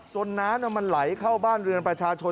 น้ำมันไหลเข้าบ้านเรือนประชาชน